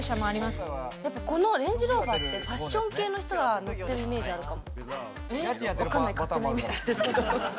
レンジローバーってファッション系の人が乗ってるイメージあるかも。